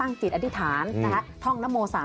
อย่างแรกเลยก็คือการทำบุญเกี่ยวกับเรื่องของพวกการเงินโชคลาภ